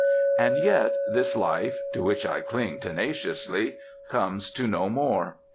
And yet this life to which I cling tenaciously comes to no more.